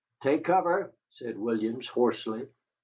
"Take cover," said Williams, hoarsely.